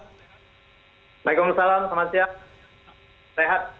waalaikumsalam selamat siang sehat